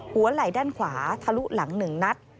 หัวไหล่ด้านขวาทะลุหลัง๑นัด